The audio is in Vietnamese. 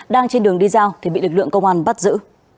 đang trên đường đi giao thì bị lực lượng công an bắt giữ